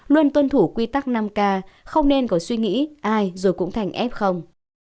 luôn tuân thủ quy tắc năm k không nên có suy nghĩ ai rồi cũng thành f không